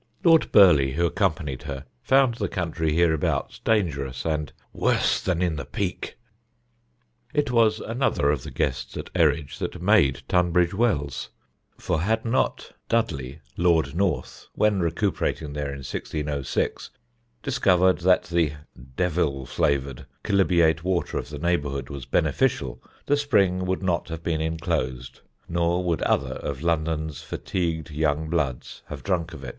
Lord Burleigh, who accompanied her, found the country hereabouts dangerous, and "worse than in the Peak." It was another of the guests at Eridge that made Tunbridge Wells; for had not Dudley, Lord North, when recuperating there in 1606, discovered that the (Devil flavoured) chalybeate water of the neighbourhood was beneficial, the spring would not have been enclosed nor would other of London's fatigued young bloods have drunk of it.